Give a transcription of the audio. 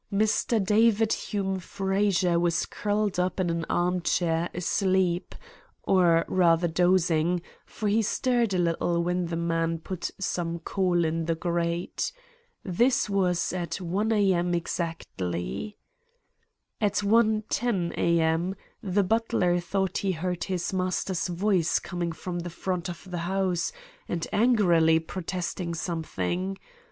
Mr. David Hume Frazer was curled up in an arm chair asleep, or rather dozing, for he stirred a little when the man put some coal in the grate. This was at 1 a.m. exactly. "At 1.10 a.m. the butler thought he heard his master's voice coming from the front of the house, and angrily protesting something.